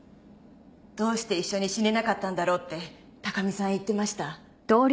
どうして一緒に死ねなかったんだろうって高見さん言ってました。